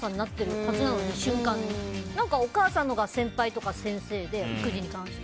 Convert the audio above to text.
はずなのに何か、お母さんのほうが先輩とか先生で育児に関して。